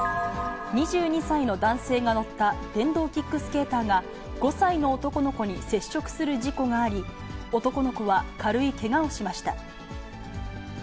２２歳の男性が乗った電動キックスケーターが、５歳の男の子に接触する事故があり、男の子は軽いけがをしました。